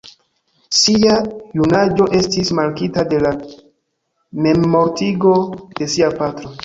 Sia junaĝo estis markita de la memmortigo de sia patro.